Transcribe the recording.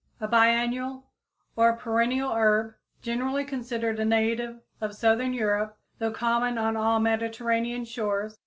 a biennial or perennial herb, generally considered a native of southern Europe, though common on all Mediterranean shores.